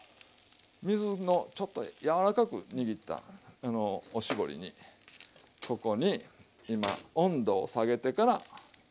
水のちょっと柔らかく握ったおしぼりにここに今温度を下げてから今これをお玉に１杯。